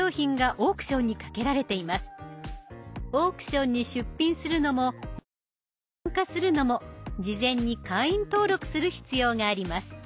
オークションに出品するのも入札に参加するのも事前に会員登録する必要があります。